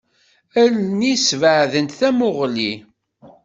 Allen-is sbeɛdent tamuɣli.